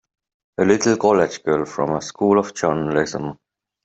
A little college girl from a School of Journalism!